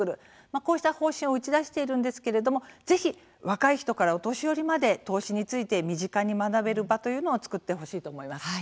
こうした方針を打ち出しているんですけれどもぜひ、若い人からお年寄りまで投資について身近に学べる場というのを作ってほしいと思います。